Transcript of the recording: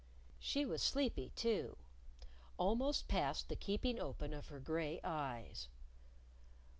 She was sleepy, too almost past the keeping open of her gray eyes.